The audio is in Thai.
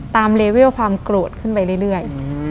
เลเวลความโกรธขึ้นไปเรื่อย